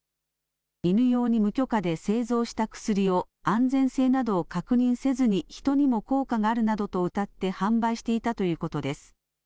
犬用に無許可で製造した薬を安全性などを確認せずに人にも効果があるなどとうたって販売していたということです。